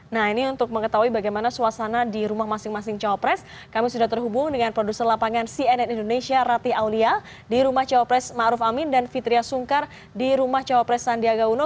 nah ini untuk mengetahui bagaimana suasana di rumah masing masing cawapres kami sudah terhubung dengan produser lapangan cnn indonesia rati aulia di rumah cawapres ⁇ maruf ⁇ amin dan fitriah sungkar di rumah cawapres sandiaga uno